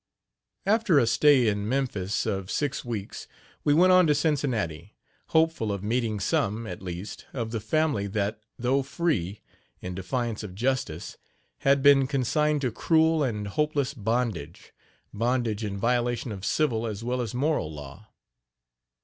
After a stay in Memphis of six weeks we went on to Cincinnati, hopeful of meeting some, at least, of the family that, though free, in defiance of justice, had been consigned to cruel and hopeless bondage bondage in violation of civil as well as moral law.